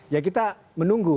ya kita menunggu